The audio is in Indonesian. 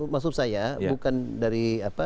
maksud saya bukan dari apa